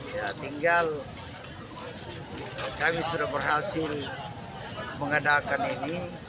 ya tinggal kami sudah berhasil mengadakan ini